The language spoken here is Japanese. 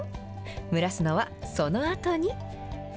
蒸らすのはそのあとに。